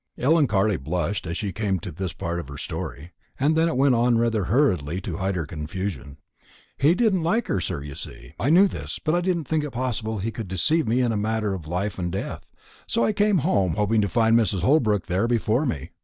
Ellen Carley blushed as she came to this part of her story, and then went on rather hurriedly to hide her confusion. "He didn't like her, sir, you see. I knew this, but I didn't think it possible he could deceive me in a matter of life and death. So I came home, hoping to find Mrs. Holbrook there before me.